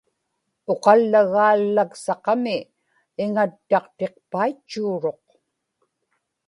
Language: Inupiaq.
uqallagaallaksaqami iŋattaqtiqpaitchuuruq